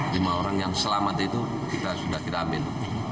lima orang yang selamat itu kita sudah kiramin